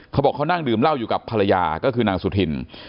เขาบอกเขานั่งดื่มเหล้าอยู่กับภรรยาก็คือนางสุธิน